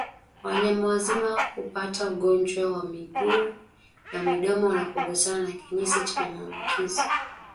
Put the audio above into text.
Wanyama wazima hupata ugonjwa wa miguu na midomo wanapogusana na kinyesi chenye maambukizi